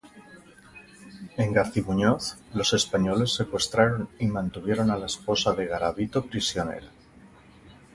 En Garcimuñoz, los españoles secuestraron y mantuvieron a la esposa de Garabito prisionera.